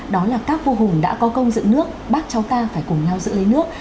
đó là các vô hùng đã có công dựng nước bác cháu ta phải cùng nhau dựng lấy nước